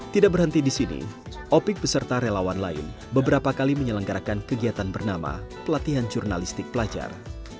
tidak berhenti di sini opik beserta relawan lain beberapa kali menyelenggarakan kegiatan bernama pelatihan jurnalistik pelajar